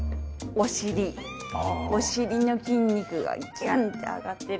おしりの筋肉がギュン！って上がってる。